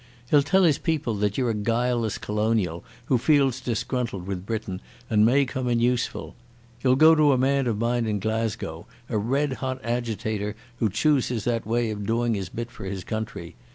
He'll tell his people that you're a guileless colonial who feels disgruntled with Britain, and may come in useful. You'll go to a man of mine in Glasgow, a red hot agitator who chooses that way of doing his bit for his country.